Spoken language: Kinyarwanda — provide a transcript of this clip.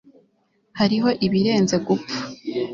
hariho ibirenze gupfa